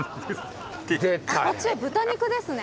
こっちは豚肉ですね。